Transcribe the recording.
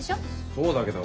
そうだけど。